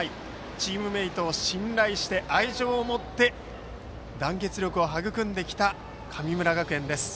チームメートを信頼して愛情を持って団結力を育んできた神村学園です。